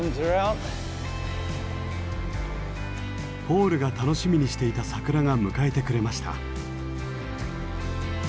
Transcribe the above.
ポールが楽しみにしていた桜が迎えてくれました。